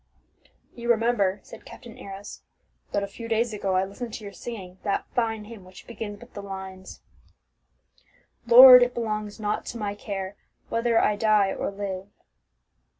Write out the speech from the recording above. "You remember," said Captain Arrows, "that a few days ago I listened to your singing that fine hymn which begins with the lines, 'Lord, it belongs not to my care Whether I die or live.'"